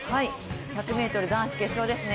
１００ｍ男子決勝ですね。